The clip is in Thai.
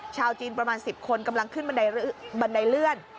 ชาวจีนประมาณ๑๐คนกำลังขึ้นบันไดเลื่อน